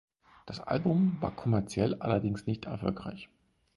Das Album war kommerziell allerdings nicht erfolgreich.